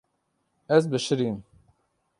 Ez bişirîm.